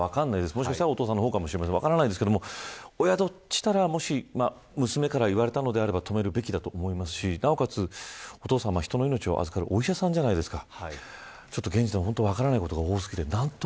もしかしたらお父さまの方かもしれませんが親としたら、もし娘から言われたのであれば止めるべきだと思いますしなおかつ、お父さんは人の命を預かるお医者さんじゃないですか。